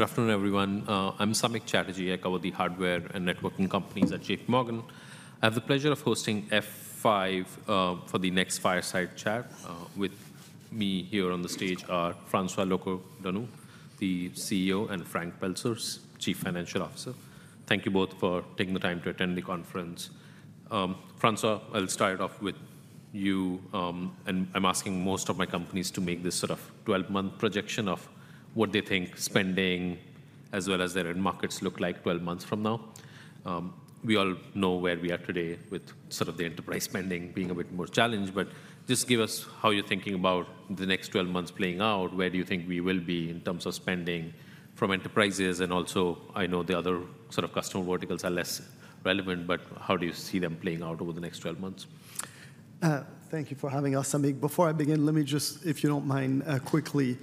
Good afternoon, everyone. I'm Samik Chatterjee. I cover the hardware and networking companies at JPMorgan. I have the pleasure of hosting F5 for the next fireside chat. With me here on the stage are François Locoh-Donou, the CEO, and Frank Pelzer, Chief Financial Officer. Thank you both for taking the time to attend the conference. François, I'll start off with you. And I'm asking most of my companies to make this sort of 12-month projection of what they think spending as well as their end markets look like 12 months from now. We all know where we are today with sort of the enterprise spending being a bit more challenged, but just give us how you're thinking about the next 12 months playing out. Where do you think we will be in terms of spending from enterprises? Also, I know the other sort of customer verticals are less relevant, but how do you see them playing out over the next 12 months? Thank you for having us, Samik. Before I begin, let me just, if you don't mind, quickly,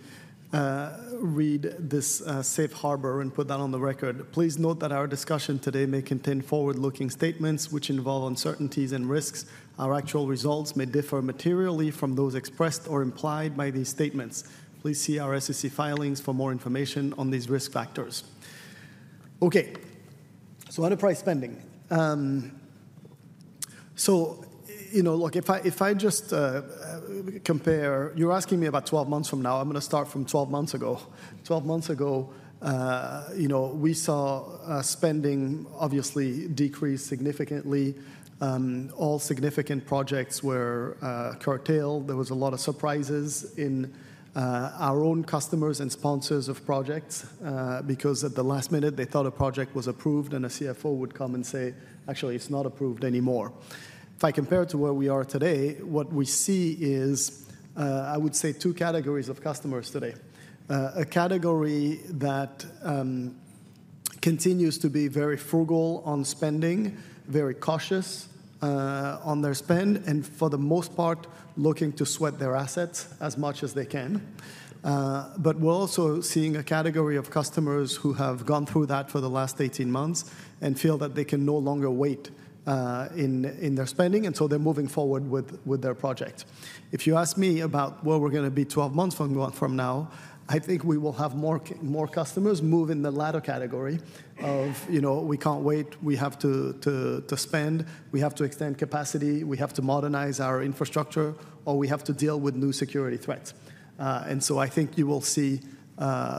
read this safe harbor and put that on the record. Please note that our discussion today may contain forward-looking statements, which involve uncertainties and risks. Our actual results may differ materially from those expressed or implied by these statements. Please see our SEC filings for more information on these risk factors. Okay, so enterprise spending. So, you know, look, if I just compare... You're asking me about 12 months from now, I'm gonna start from 12 months ago. 12 months ago, you know, we saw spending obviously decrease significantly. All significant projects were curtailed. There was a lot of surprises in our own customers and sponsors of projects, because at the last minute they thought a project was approved, and a CFO would come and say, "Actually, it's not approved anymore." If I compare it to where we are today, what we see is I would say two categories of customers today. A category that continues to be very frugal on spending, very cautious on their spend, and for the most part, looking to sweat their assets as much as they can. But we're also seeing a category of customers who have gone through that for the last 18 months and feel that they can no longer wait in their spending, and so they're moving forward with their project. If you ask me about where we're gonna be 12 months from now, from now, I think we will have more customers move in the latter category of, you know, we can't wait, we have to spend, we have to extend capacity, we have to modernize our infrastructure, or we have to deal with new security threats. And so I think you will see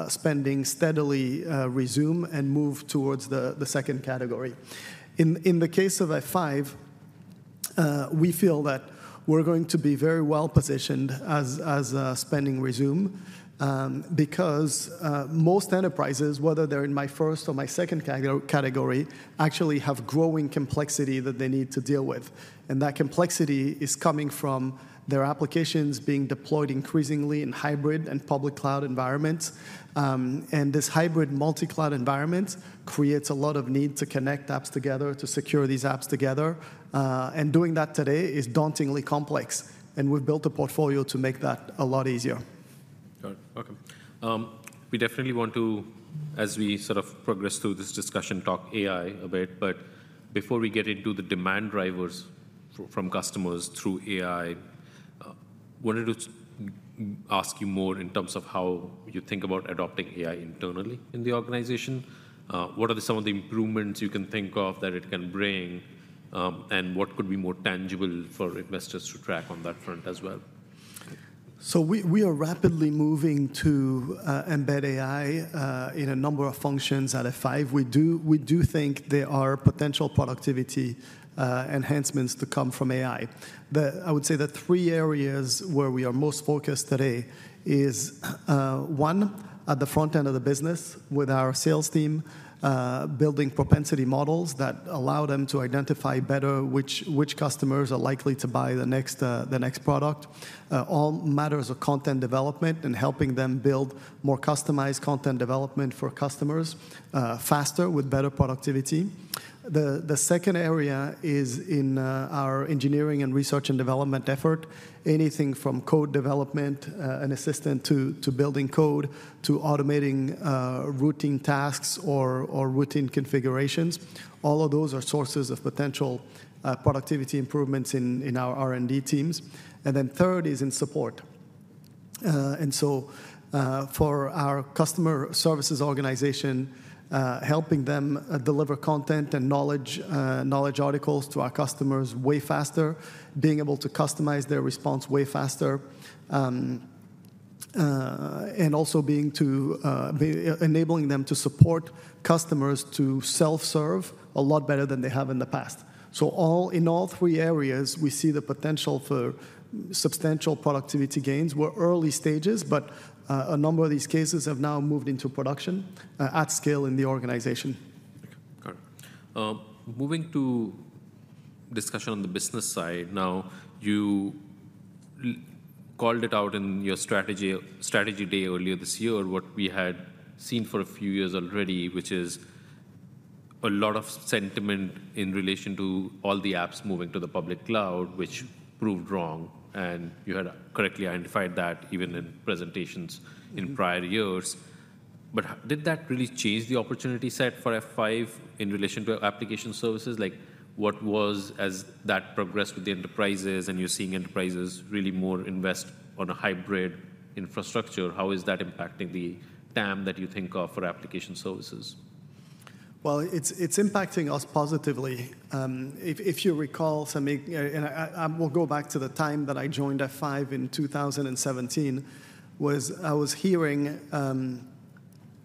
spending steadily resume and move towards the second category. In the case of F5, we feel that we're going to be very well positioned as spending resume, because most enterprises, whether they're in my first or my second category, actually have growing complexity that they need to deal with, and that complexity is coming from their applications being deployed increasingly in hybrid and public cloud environments. This hybrid multi-cloud environment creates a lot of need to connect apps together, to secure these apps together, and doing that today is dauntingly complex, and we've built a portfolio to make that a lot easier. Got it. Okay. We definitely want to, as we sort of progress through this discussion, talk AI a bit, but before we get into the demand drivers from customers through AI, wanted to ask you more in terms of how you think about adopting AI internally in the organization. What are some of the improvements you can think of that it can bring, and what could be more tangible for investors to track on that front as well? So we are rapidly moving to embed AI in a number of functions at F5. We do think there are potential productivity enhancements to come from AI. I would say the three areas where we are most focused today is one, at the front end of the business with our sales team, building propensity models that allow them to identify better which customers are likely to buy the next product. All matters of content development and helping them build more customized content development for customers faster with better productivity. The second area is in our engineering and research and development effort. Anything from code development, an assistant to, to building code, to automating routine tasks or, or routine configurations, all of those are sources of potential productivity improvements in, in our R&D teams. And then third is in support. And so, for our customer services organization, helping them deliver content and knowledge, knowledge articles to our customers way faster, being able to customize their response way faster, and also being to Enabling them to support customers to self-serve a lot better than they have in the past. So all in all three areas, we see the potential for substantial productivity gains. We're early stages, but a number of these cases have now moved into production at scale in the organization. Okay, got it. Moving to discussion on the business side now, you called it out in your strategy day earlier this year, what we had seen for a few years already, which is a lot of sentiment in relation to all the apps moving to the public cloud, which proved wrong, and you had correctly identified that even in presentations- Mm-hmm. In prior years. But did that really change the opportunity set for F5 in relation to application services? Like, what was... As that progressed with the enterprises and you're seeing enterprises really more invest on a hybrid infrastructure, how is that impacting the TAM that you think of for application services? ... Well, it's impacting us positively. If you recall, Sami, and I, we'll go back to the time that I joined F5 in 2017, I was hearing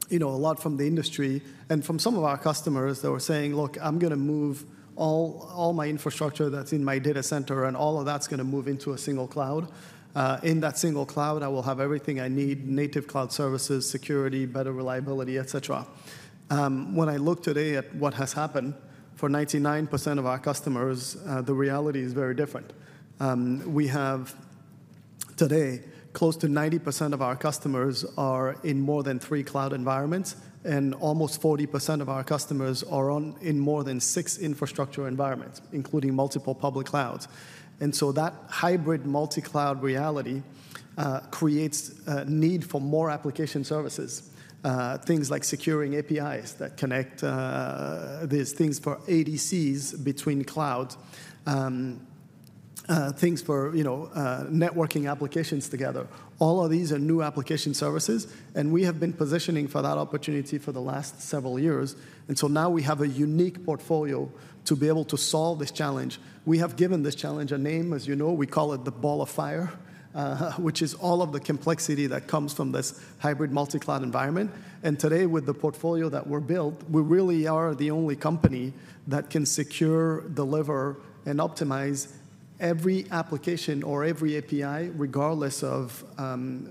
you know a lot from the industry and from some of our customers that were saying: "Look, I'm gonna move all my infrastructure that's in my data center, and all of that's gonna move into a single cloud. In that single cloud, I will have everything I need, native cloud services, security, better reliability, et cetera." When I look today at what has happened, for 99% of our customers, the reality is very different. We have today, close to 90% of our customers are in more than three cloud environments, and almost 40% of our customers are in more than six infrastructure environments, including multiple public clouds. And so that hybrid multi-cloud reality creates a need for more application services. Things like securing APIs that connect, there's things for ADCs between clouds, things for, you know, networking applications together. All of these are new application services, and we have been positioning for that opportunity for the last several years. And so now we have a unique portfolio to be able to solve this challenge. We have given this challenge a name, as you know, we call it the ball of fire, which is all of the complexity that comes from this hybrid multi-cloud environment. And today, with the portfolio that we're built, we really are the only company that can secure, deliver, and optimize every application or every API, regardless of,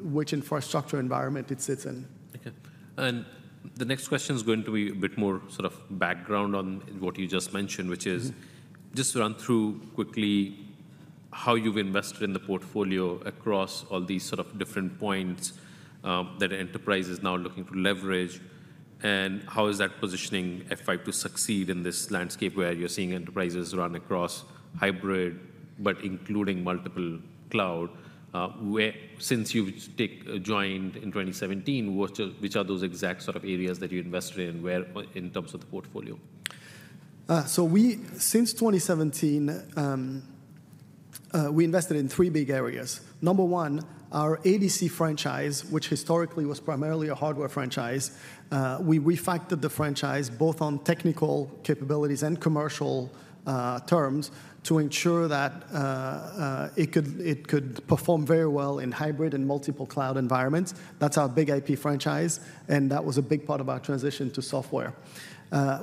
which infrastructure environment it sits in. Okay. The next question is going to be a bit more sort of background on what you just mentioned- Mm-hmm. —which is, just run through quickly how you've invested in the portfolio across all these sort of different points that enterprise is now looking to leverage, and how is that positioning F5 to succeed in this landscape where you're seeing enterprises run across hybrid, but including multiple cloud? Where... Since you joined in 2017, which are those exact sort of areas that you invested in, in terms of the portfolio? So we, since 2017, we invested in three big areas. Number one, our ADC franchise, which historically was primarily a hardware franchise, we refactored the franchise both on technical capabilities and commercial terms, to ensure that it could perform very well in hybrid and multiple cloud environments. That's our BIG-IP franchise, and that was a big part of our transition to software.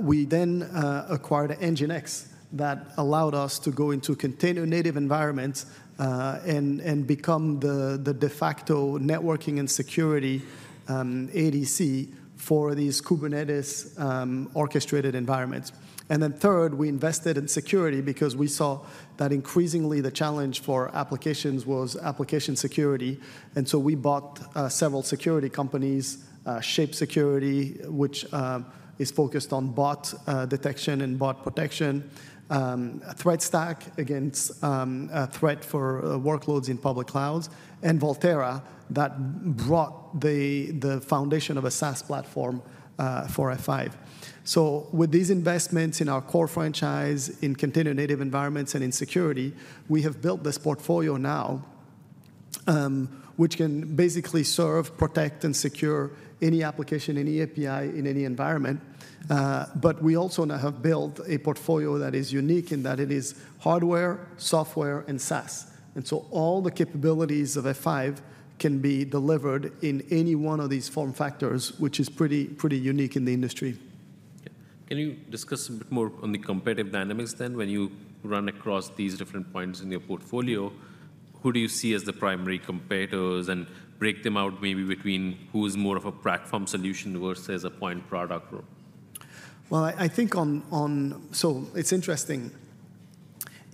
We then acquired NGINX. That allowed us to go into container-native environments and become the de facto networking and security ADC for these Kubernetes orchestrated environments. And then third, we invested in security because we saw that increasingly the challenge for applications was application security, and so we bought several security companies, Shape Security, which is focused on bot detection and bot protection, Threat Stack against a threat for workloads in public clouds, and Volterra, that brought the foundation of a SaaS platform for F5. So with these investments in our core franchise, in container-native environments and in security, we have built this portfolio now, which can basically serve, protect, and secure any application, any API, in any environment. But we also now have built a portfolio that is unique in that it is hardware, software, and SaaS. And so all the capabilities of F5 can be delivered in any one of these form factors, which is pretty, pretty unique in the industry. Can you discuss a bit more on the competitive dynamics then? When you run across these different points in your portfolio, who do you see as the primary competitors, and break them out maybe between who is more of a platform solution versus a point product role? Well, I think. So it's interesting.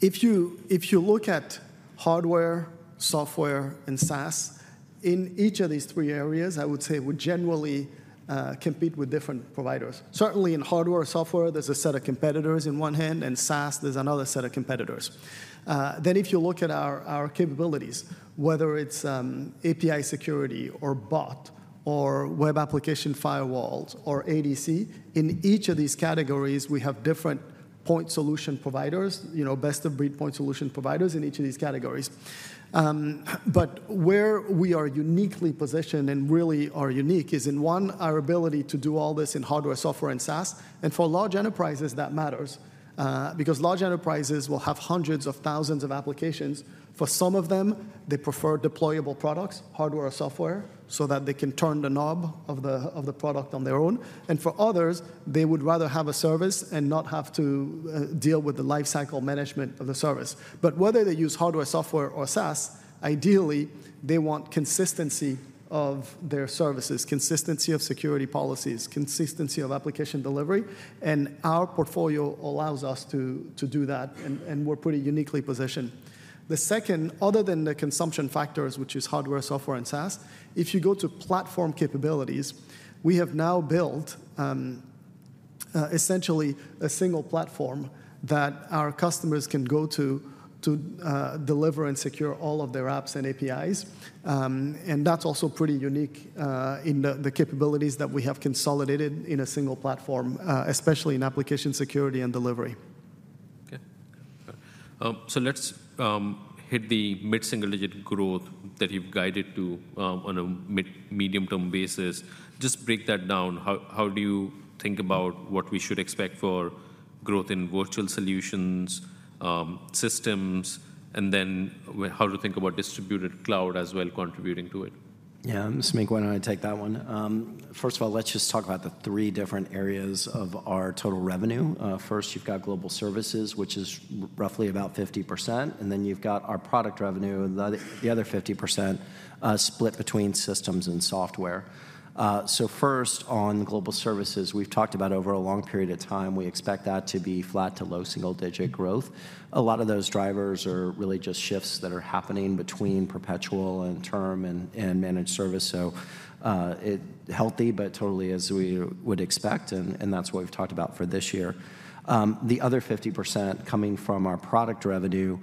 If you look at hardware, software, and SaaS, in each of these three areas, I would say we generally compete with different providers. Certainly in hardware, software, there's a set of competitors in one hand, and SaaS, there's another set of competitors. Then if you look at our capabilities, whether it's API security, or bot, or web application firewalls, or ADC, in each of these categories, we have different point solution providers, you know, best-of-breed point solution providers in each of these categories. But where we are uniquely positioned, and really are unique, is in one, our ability to do all this in hardware, software, and SaaS. And for large enterprises, that matters, because large enterprises will have hundreds of thousands of applications. For some of them, they prefer deployable products, hardware or software, so that they can turn the knob of the product on their own. For others, they would rather have a service and not have to deal with the lifecycle management of the service. But whether they use hardware, software, or SaaS, ideally, they want consistency of their services, consistency of security policies, consistency of application delivery, and our portfolio allows us to do that, and we're pretty uniquely positioned. The second, other than the consumption factors, which is hardware, software, and SaaS, if you go to platform capabilities, we have now built essentially a single platform that our customers can go to deliver and secure all of their apps and APIs. That's also pretty unique in the capabilities that we have consolidated in a single platform, especially in application security and delivery. Okay, so let's hit the mid-single-digit growth that you've guided to on a medium-term basis. Just break that down. How do you think about what we should expect for growth in virtual solutions, systems, and then how to think about Distributed Cloud as well contributing to it? Yeah, Sam, why don't I take that one? First of all, let's just talk about the three different areas of our total revenue. First, you've got global services, which is roughly about 50%, and then you've got our product revenue, the other 50%, split between systems and software. So first, on global services, we've talked about over a long period of time, we expect that to be flat to low single-digit growth. A lot of those drivers are really just shifts that are happening between perpetual and term and managed service. So, it's healthy, but stable as we would expect, and that's what we've talked about for this year. The other 50% coming from our product revenue,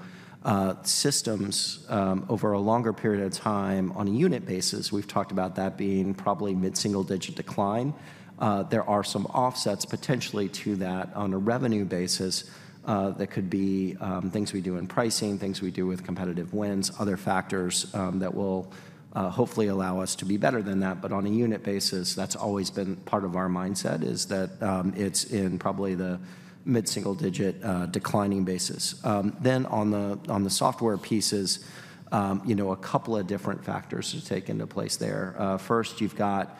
systems, over a longer period of time, on a unit basis, we've talked about that being probably mid-single-digit decline. There are some offsets potentially to that on a revenue basis, that could be, things we do in pricing, things we do with competitive wins, other factors, that will, hopefully allow us to be better than that. But on a unit basis, that's always been part of our mindset, is that, it's in probably the mid-single digit, declining basis. Then on the software pieces, you know, a couple of different factors to take into place there. First, you've got,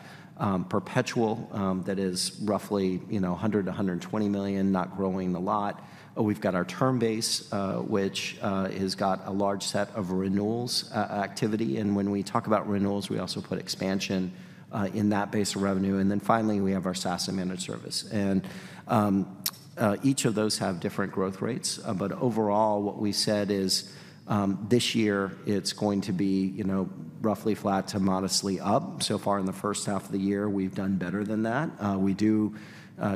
perpetual, that is roughly, you know, $100 million-$120 million, not growing a lot. We've got our term base, which has got a large set of renewals activity, and when we talk about renewals, we also put expansion in that base of revenue. And then finally, we have our SaaS and managed service. And each of those have different growth rates, but overall, what we said is, this year it's going to be, you know, roughly flat to modestly up. So far in the first half of the year, we've done better than that.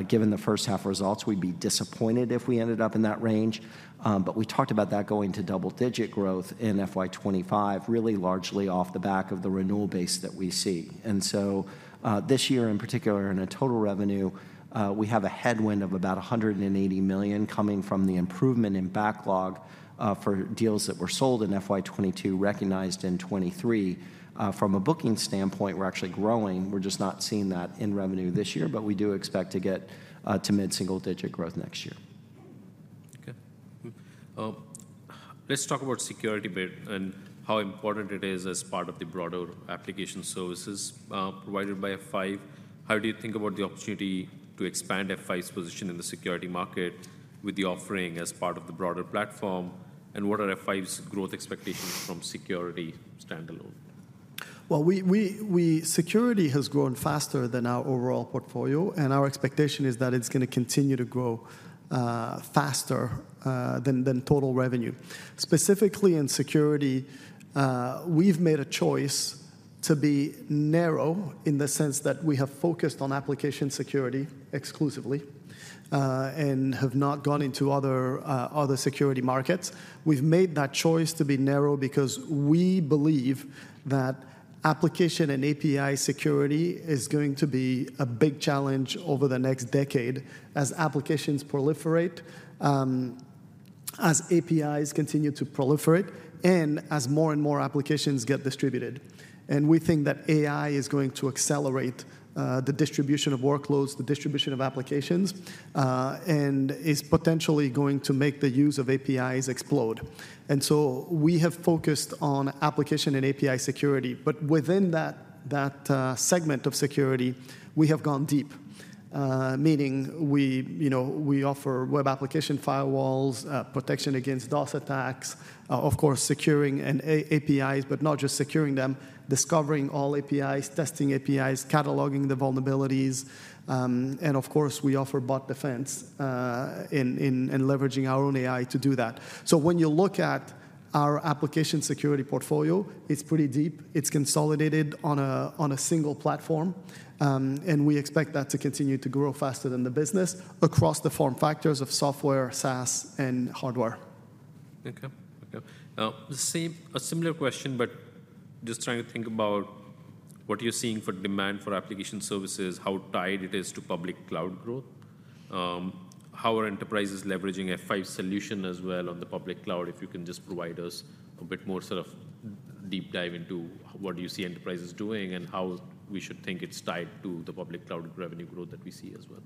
Given the first half results, we'd be disappointed if we ended up in that range, but we talked about that going to double-digit growth in FY 2025, really largely off the back of the renewal base that we see. So, this year, in particular, in total revenue, we have a headwind of about $180 million coming from the improvement in backlog for deals that were sold in FY 2022, recognized in 2023. From a booking standpoint, we're actually growing. We're just not seeing that in revenue this year, but we do expect to get to mid-single-digit growth next year. Okay. Let's talk about security bit and how important it is as part of the broader application services, provided by F5. How do you think about the opportunity to expand F5's position in the security market with the offering as part of the broader platform? And what are F5's growth expectations from security standalone? Well, security has grown faster than our overall portfolio, and our expectation is that it's gonna continue to grow faster than total revenue. Specifically in security, we've made a choice to be narrow in the sense that we have focused on application security exclusively, and have not gone into other security markets. We've made that choice to be narrow because we believe that application and API security is going to be a big challenge over the next decade as applications proliferate, as APIs continue to proliferate, and as more and more applications get distributed. And we think that AI is going to accelerate the distribution of workloads, the distribution of applications, and is potentially going to make the use of APIs explode. And so we have focused on application and API security, but within that segment of security, we have gone deep, meaning we, you know, we offer web application firewalls, protection against DDoS attacks, of course, securing and APIs, but not just securing them, discovering all APIs, testing APIs, cataloging the vulnerabilities, and of course, we offer bot defense, in leveraging our own AI to do that. So when you look at our application security portfolio, it's pretty deep. It's consolidated on a single platform, and we expect that to continue to grow faster than the business across the form factors of software, SaaS, and hardware. Okay. Okay. A similar question, but just trying to think about what you're seeing for demand for application services, how tied it is to public cloud growth. How are enterprises leveraging F5 solution as well on the public cloud? If you can just provide us a bit more sort of deep dive into what you see enterprises doing, and how we should think it's tied to the public cloud revenue growth that we see as well.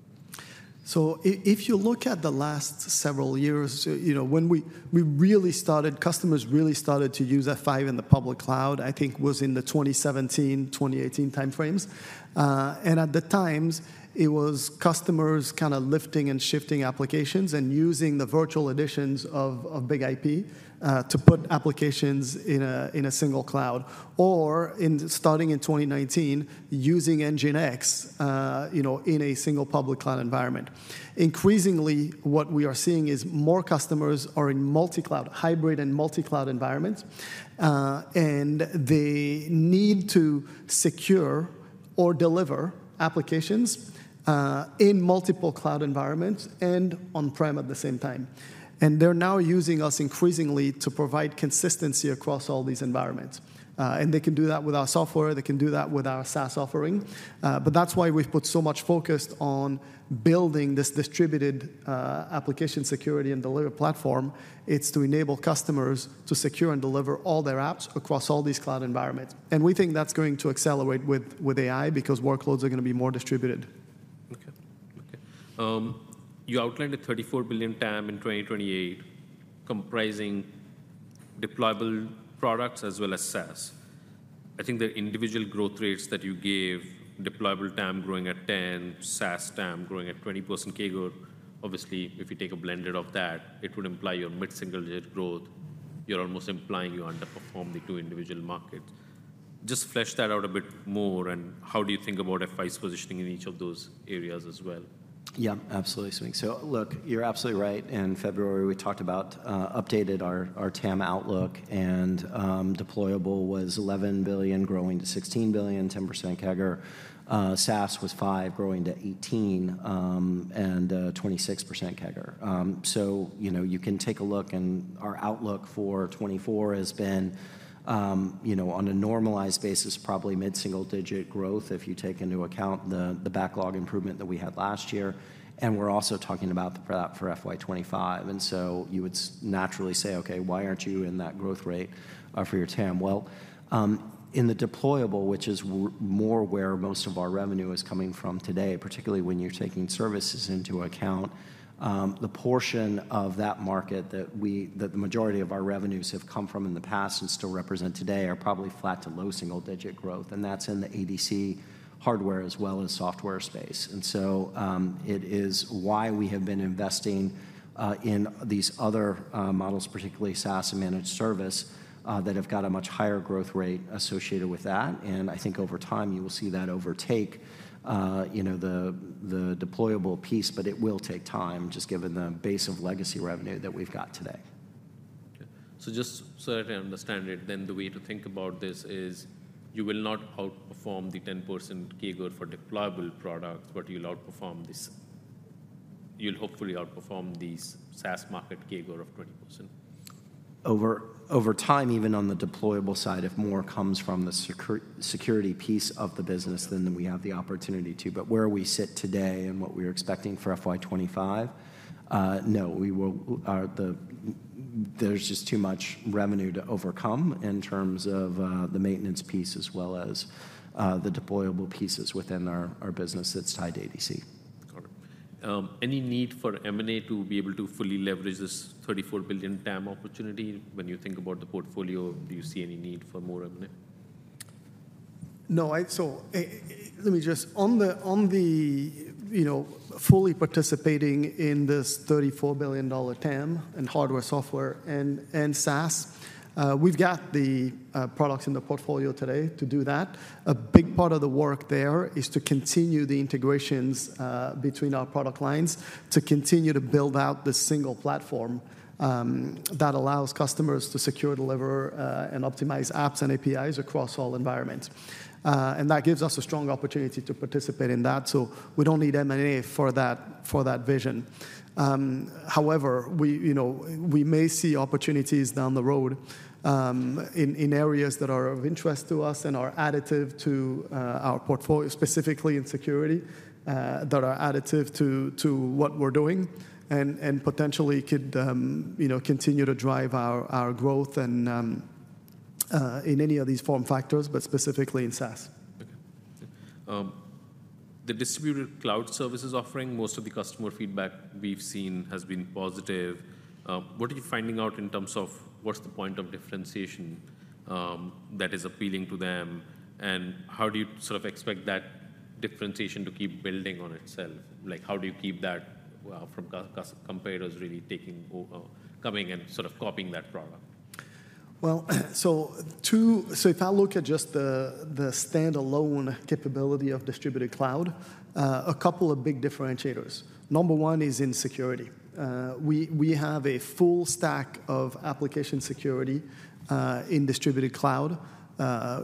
So if you look at the last several years, you know, when we, we really started, customers really started to use F5 in the public cloud, I think was in the 2017, 2018 time frames. And at the time, it was customers kind of lifting and shifting applications and using the virtual editions of BIG-IP to put applications in a single cloud, or starting in 2019, using NGINX, you know, in a single public cloud environment. Increasingly, what we are seeing is more customers are in multi-cloud, hybrid and multi-cloud environments, and they need to secure or deliver applications in multiple cloud environments and on-prem at the same time. And they're now using us increasingly to provide consistency across all these environments. And they can do that with our software, they can do that with our SaaS offering. But that's why we've put so much focus on building this distributed, application security and delivery platform. It's to enable customers to secure and deliver all their apps across all these cloud environments, and we think that's going to accelerate with AI because workloads are gonna be more distributed. Okay. Okay, you outlined a $34 billion TAM in 2028, comprising deployable products as well as SaaS. I think the individual growth rates that you gave, deployable TAM growing at 10%, SaaS TAM growing at 20% CAGR. Obviously, if you take a blended of that, it would imply your mid-single-digit growth, you're almost implying you underperform the two individual markets. Just flesh that out a bit more, and how do you think about F5's positioning in each of those areas as well? Yeah, absolutely, Samik. So look, you're absolutely right. In February, we talked about updated our TAM outlook, and deployable was $11 billion growing to $16 billion, 10% CAGR. SaaS was $5 billion growing to $18 billion, and 26% CAGR. So, you know, you can take a look, and our outlook for 2024 has been, you know, on a normalized basis, probably mid-single-digit growth, if you take into account the backlog improvement that we had last year, and we're also talking about that for FY 2025. And so you would naturally say: "Okay, why aren't you in that growth rate for your TAM?" Well, in the deployable, which is more where most of our revenue is coming from today, particularly when you're taking services into account, the portion of that market that the majority of our revenues have come from in the past and still represent today, are probably flat to low single-digit growth, and that's in the ADC hardware as well as software space. And so, it is why we have been investing in these other models, particularly SaaS and managed service, that have got a much higher growth rate associated with that. And I think over time, you will see that overtake, you know, the deployable piece, but it will take time, just given the base of legacy revenue that we've got today. Okay. So just so that I understand it, then the way to think about this is you will not outperform the 10% CAGR for deployable products, but you'll hopefully outperform this—you'll hopefully outperform the SaaS market CAGR of 20%. Over time, even on the deployable side, if more comes from the security piece of the business, then we have the opportunity to. But where we sit today and what we're expecting for FY 25, no, we will. There's just too much revenue to overcome in terms of the maintenance piece, as well as the deployable pieces within our business that's tied to ADC. Got it. Any need for M&A to be able to fully leverage this $34 billion TAM opportunity? When you think about the portfolio, do you see any need for more M&A? No. So, let me just... On the, you know, fully participating in this $34 billion TAM in hardware, software, and SaaS, we've got the products in the portfolio today to do that. A big part of the work there is to continue the integrations between our product lines, to continue to build out this single platform that allows customers to secure, deliver, and optimize apps and APIs across all environments. And that gives us a strong opportunity to participate in that, so we don't need M&A for that vision. However, we, you know, we may see opportunities down the road, in areas that are of interest to us and are additive to our portfolio, specifically in security, that are additive to what we're doing and potentially could, you know, continue to drive our growth and in any of these form factors, but specifically in SaaS. Okay. The Distributed Dloud services offering, most of the customer feedback we've seen has been positive. What are you finding out in terms of what's the point of differentiation that is appealing to them, and how do you sort of expect that differentiation to keep building on itself? Like, how do you keep that from competitors really taking over, coming and sort of copying that product? Well, so if I look at just the standalone capability of Distributed Cloud, a couple of big differentiators. Number one is in security. We have a full stack of application security in Distributed Cloud,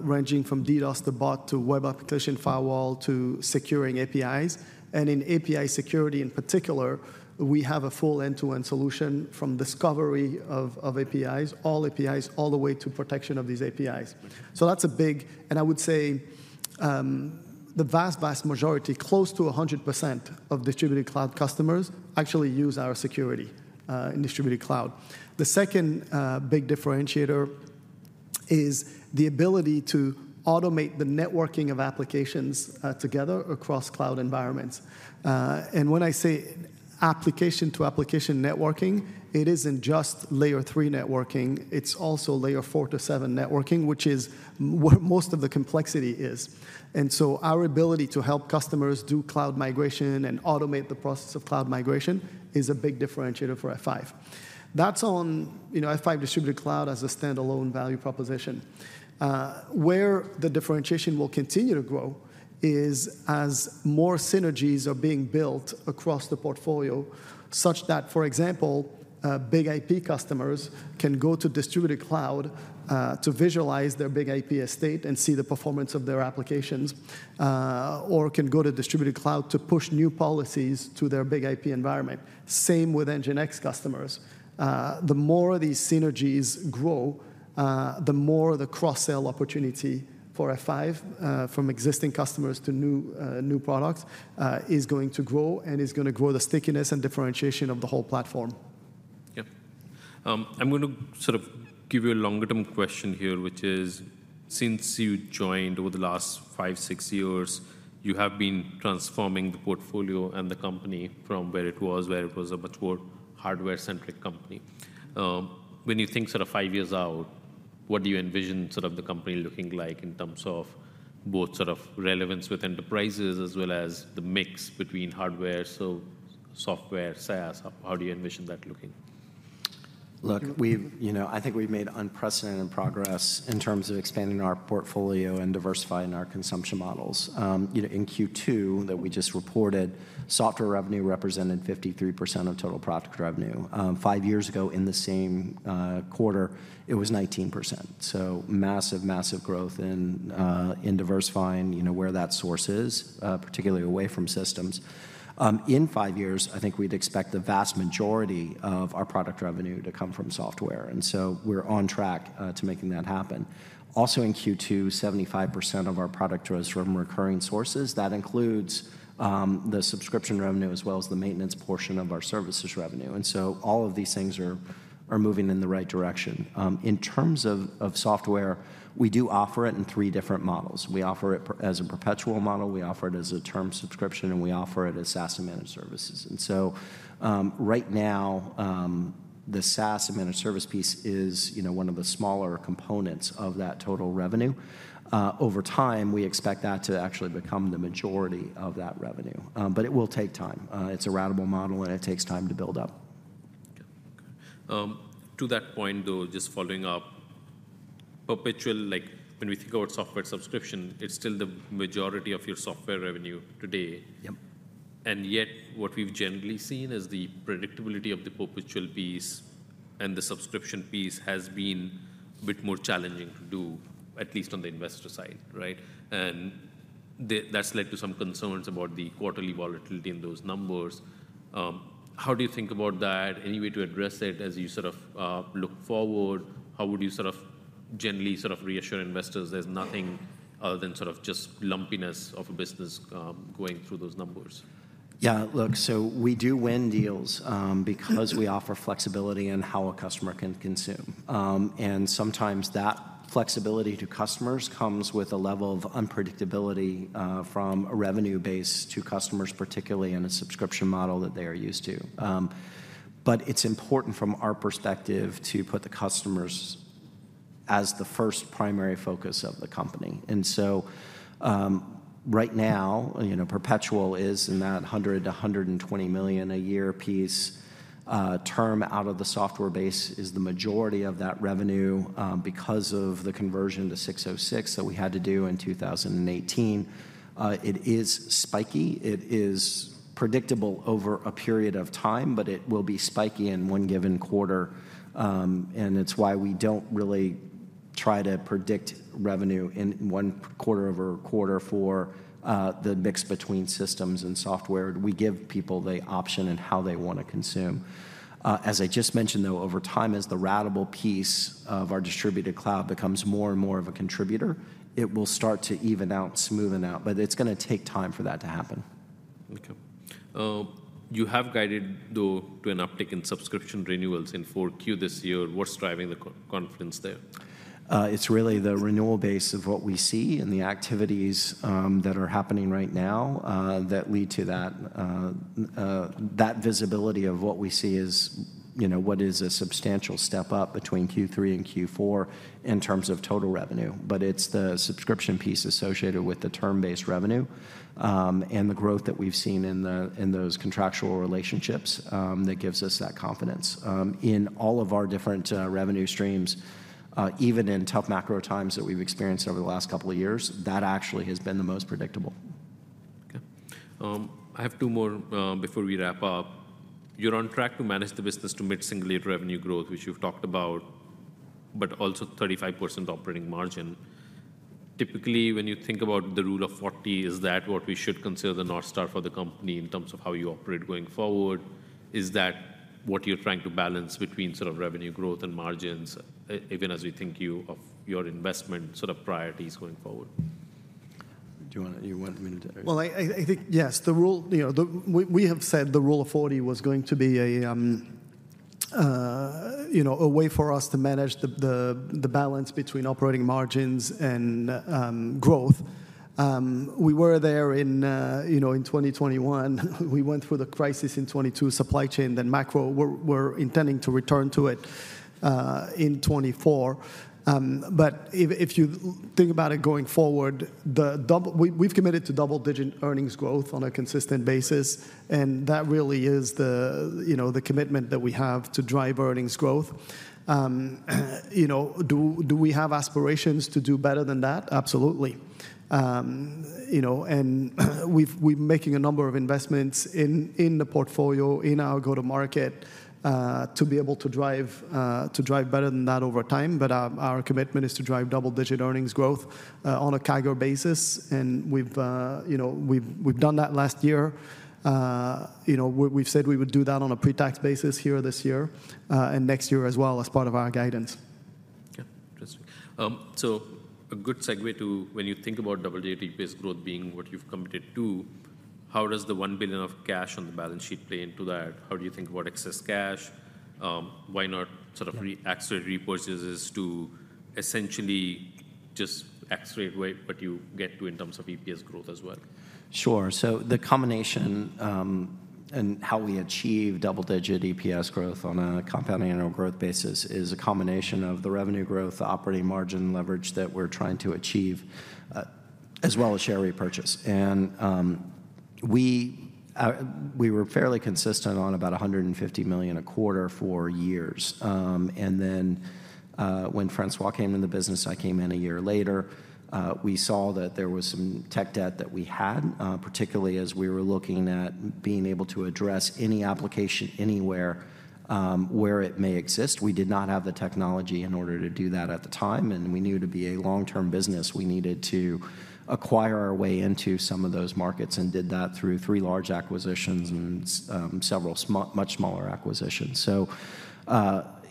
ranging from DDoS to bot to web application firewall to securing APIs. And in API security, in particular, we have a full end-to-end solution from discovery of APIs, all APIs, all the way to protection of these APIs. So that's a big... And I would say, the vast majority, close to 100% of Distributed Cloud customers, actually use our security in Distributed Cloud. The second big differentiator is the ability to automate the networking of applications together across cloud environments. And when I say application-to-application networking, it isn't just layer three networking. It's also layer 4-7 networking, which is where most of the complexity is. And so our ability to help customers do cloud migration and automate the process of cloud migration is a big differentiator for F5. That's on, you know, F5 Distributed Cloud as a standalone value proposition. Where the differentiation will continue to grow is as more synergies are being built across the portfolio, such that, for example, BIG-IP customers can go to Distributed Cloud to visualize their BIG-IP estate and see the performance of their applications or can go to Distributed Cloud to push new policies to their BIG-IP environment. Same with NGINX customers. The more these synergies grow, the more the cross-sell opportunity for F5, from existing customers to new, new products, is going to grow and is gonna grow the stickiness and differentiation of the whole platform.... Yep. I'm going to sort of give you a longer-term question here, which is: since you joined over the last five, six years, you have been transforming the portfolio and the company from where it was, where it was a much more hardware-centric company. When you think sort of five years out, what do you envision sort of the company looking like in terms of both sort of relevance with enterprises as well as the mix between hardware, so software, SaaS? How do you envision that looking? Look, we've. You know, I think we've made unprecedented progress in terms of expanding our portfolio and diversifying our consumption models. You know, in Q2 that we just reported, software revenue represented 53% of total product revenue. Five years ago, in the same quarter, it was 19%. So massive, massive growth in diversifying, you know, where that source is, particularly away from systems. In five years, I think we'd expect the vast majority of our product revenue to come from software, and so we're on track to making that happen. Also, in Q2, 75% of our product was from recurring sources. That includes the subscription revenue as well as the maintenance portion of our services revenue, and so all of these things are moving in the right direction. In terms of software, we do offer it in three different models. We offer it as a perpetual model, we offer it as a term subscription, and we offer it as SaaS-managed services. And so, right now, the SaaS-managed service piece is, you know, one of the smaller components of that total revenue. Over time, we expect that to actually become the majority of that revenue. But it will take time. It's a ratable model, and it takes time to build up. Okay, to that point, though, just following up, perpetual, like, when we think about software subscription, it's still the majority of your software revenue today. Yep. And yet, what we've generally seen is the predictability of the perpetual piece and the subscription piece has been a bit more challenging to do, at least on the investor side, right? And that's led to some concerns about the quarterly volatility in those numbers. How do you think about that? Any way to address it as you sort of look forward? How would you sort of generally sort of reassure investors there's nothing other than sort of just lumpiness of a business going through those numbers? Yeah, look, so we do win deals, because we offer flexibility in how a customer can consume. And sometimes that flexibility to customers comes with a level of unpredictability, from a revenue base to customers, particularly in a subscription model that they are used to. But it's important from our perspective, to put the customers as the first primary focus of the company. And so, right now, you know, perpetual is in that $100 million-$120 million a year piece. Term out of the software base is the majority of that revenue, because of the conversion to 606 that we had to do in 2018. It is spiky. It is predictable over a period of time, but it will be spiky in one given quarter, and it's why we don't really try to predict revenue in one quarter over quarter for the mix between systems and software. We give people the option in how they wanna consume. As I just mentioned, though, over time, as the ratable piece of our Distributed Cloud becomes more and more of a contributor, it will start to even out, smoothen out, but it's gonna take time for that to happen. Okay. You have guided, though, to an uptick in subscription renewals in Q4 this year. What's driving the confidence there? It's really the renewal base of what we see and the activities that are happening right now that lead to that. That visibility of what we see is, you know, what is a substantial step up between Q3 and Q4 in terms of total revenue. But it's the subscription piece associated with the term-based revenue and the growth that we've seen in the, in those contractual relationships that gives us that confidence. In all of our different revenue streams, even in tough macro times that we've experienced over the last couple of years, that actually has been the most predictable. Okay. I have two more before we wrap up. You're on track to manage the business to mid-single revenue growth, which you've talked about, but also 35% operating margin. Typically, when you think about the Rule of 40, is that what we should consider the North Star for the company in terms of how you operate going forward? Is that what you're trying to balance between sort of revenue growth and margins, even as we think of your investment sort of priorities going forward? Do you wanna... You want me to- Well, I think, yes, the rule, you know, the... We have said the Rule of 40 was going to be a, you know, a way for us to manage the balance between operating margins and growth. We were there in, you know, in 2021. We went through the crisis in 2022, supply chain, then macro. We're intending to return to it in 2024. But if you think about it going forward, the double- We've committed to double-digit earnings growth on a consistent basis, and that really is the, you know, the commitment that we have to drive earnings growth. You know, do we have aspirations to do better than that? Absolutely. You know, and we've, we're making a number of investments in, in the portfolio, in our go-to-market, to be able to drive, to drive better than that over time. But our, our commitment is to drive double-digit earnings growth, on a CAGR basis, and we've, you know, we've, we've done that last year. You know, we've said we would do that on a pre-tax basis here this year, and next year as well as part of our guidance.... Yeah, interesting. So a good segue to when you think about double-digit EPS growth being what you've committed to, how does the $1 billion of cash on the balance sheet play into that? How do you think about excess cash? Why not sort of reaccelerate repurchases to essentially just accelerate what you get to in terms of EPS growth as well? Sure. So the combination, and how we achieve double-digit EPS growth on a compounding annual growth basis is a combination of the revenue growth, the operating margin leverage that we're trying to achieve, as well as share repurchase. And we were fairly consistent on about $150 million a quarter for years. And then, when François came in the business, I came in a year later, we saw that there was some tech debt that we had, particularly as we were looking at being able to address any application anywhere, where it may exist. We did not have the technology in order to do that at the time, and we knew to be a long-term business, we needed to acquire our way into some of those markets, and did that through three large acquisitions and several much smaller acquisitions. So,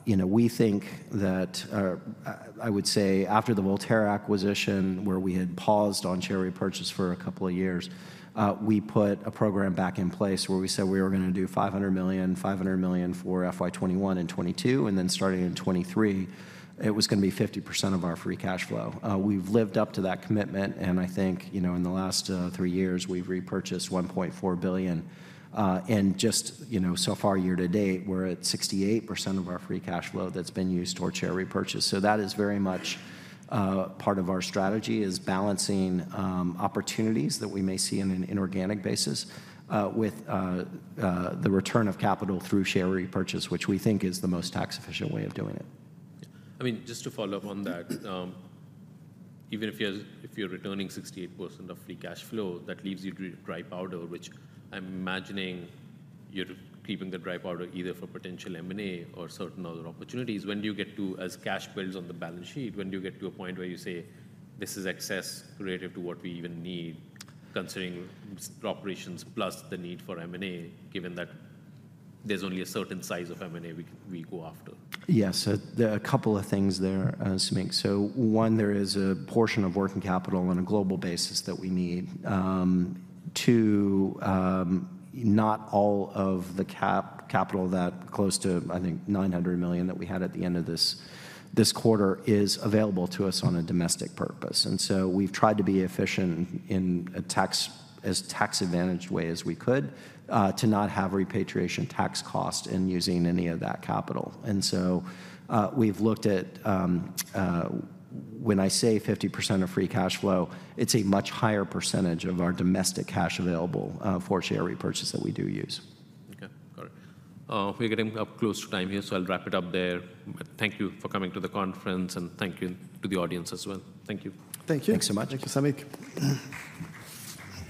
you know, we think that... I would say after the Volterra acquisition, where we had paused on share repurchase for a couple of years, we put a program back in place where we said we were gonna do $500 million, $500 million for FY 2021 and 2022, and then starting in 2023, it was gonna be 50% of our free cash flow. We've lived up to that commitment, and I think, you know, in the last three years, we've repurchased $1.4 billion. And just, you know, so far, year to date, we're at 68% of our free cash flow that's been used toward share repurchase. So that is very much part of our strategy, is balancing opportunities that we may see in an inorganic basis, with the return of capital through share repurchase, which we think is the most tax-efficient way of doing it. I mean, just to follow up on that, even if you're returning 68% of free cash flow, that leaves you with dry powder, which I'm imagining you're keeping the dry powder either for potential M&A or certain other opportunities. When do you get to... As cash builds on the balance sheet, when do you get to a point where you say, "This is excess relative to what we even need," considering the operations plus the need for M&A, given that there's only a certain size of M&A we go after? Yes. So there are a couple of things there, Samik. So one, there is a portion of working capital on a global basis that we need to... Not all of the capital close to, I think, $900 million that we had at the end of this quarter is available to us on a domestic purpose. And so we've tried to be efficient in a tax-advantaged way as we could to not have repatriation tax cost in using any of that capital. And so, we've looked at... When I say 50% of free cash flow, it's a much higher percentage of our domestic cash available for share repurchase that we do use. Okay, got it. We're getting up close to time here, so I'll wrap it up there. Thank you for coming to the conference, and thank you to the audience as well. Thank you. Thank you. Thanks so much. Thank you, Samik.